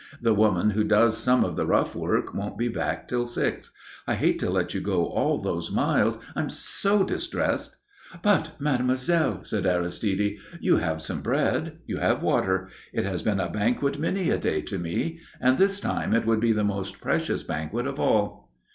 The woman who does some of the rough work won't be back till six. I hate to let you go all those miles I am so distressed " "But, mademoiselle," said Aristide. "You have some bread. You have water. It has been a banquet many a day to me, and this time it would be the most precious banquet of all."